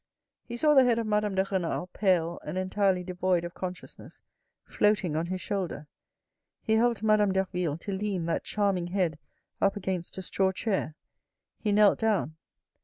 He saw the head of Madame de Renal, pale and entirely devoid of consciousness floating on his shoulder. He helped Madame Derville to lean that charming head up against a straw chair. He knelt down.